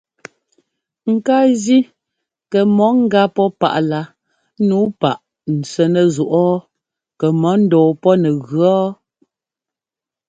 Ŋ ká zí kɛ mɔ gá pɔ́ páꞌlá nǔu páꞌ n tswɛ́nɛ́ zúꞌɔɔ kɛ mɔ ńdɔɔ pɔ́ nɛ gʉ ɔ́ɔ.